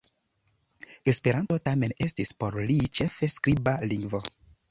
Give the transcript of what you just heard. Esperanto tamen estis por li ĉefe skriba lingvo.